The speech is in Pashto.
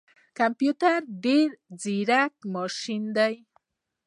کمپيوټر ډیر ځیرک ماشین دی